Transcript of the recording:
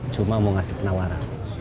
cuma mau ngasih penawaran